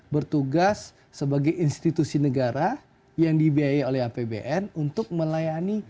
bertugas sebagai institusi negara yang dibiayai oleh apbn untuk melayani